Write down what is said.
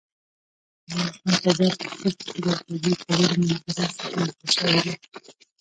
د افغانستان طبیعت له خپلې ښکلې او طبیعي کلیزو منظره څخه جوړ شوی دی.